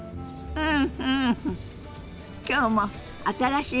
うん！